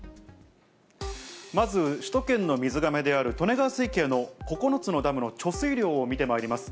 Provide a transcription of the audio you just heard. まず首都圏の水がめである利根川水系の９つのダムの貯水量を見てまいります。